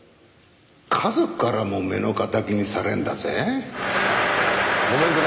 家族からも目の敵にされるんだぜ？